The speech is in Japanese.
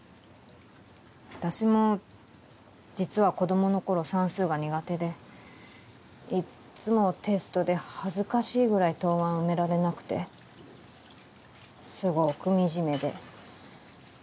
私も実は子供の頃算数が苦手でいっつもテストで恥ずかしいぐらい答案を埋められなくてすごく惨めで。